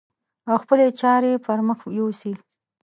او خپلې چارې پر مخ يوسي.